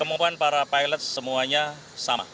kemampuan para pilot semuanya sama